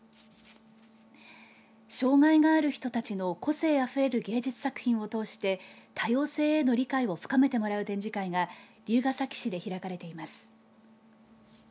障害がある人たちの個性あふれる芸術作品を通して多様性への理解を深めてもらう展示が龍ケ崎市で開かれています。